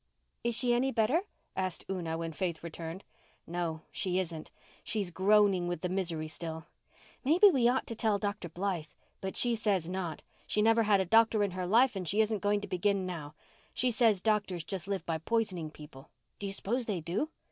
"Is she any better?" asked Una, when Faith returned. "No, she isn't. She's groaning with the misery still. Maybe we ought to tell Dr. Blythe. But she says not—she never had a doctor in her life and she isn't going to begin now. She says doctors just live by poisoning people. Do you suppose they do?"